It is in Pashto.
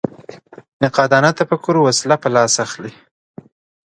نقادانه تفکر وسله په لاس اخلي